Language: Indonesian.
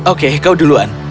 oke kau duluan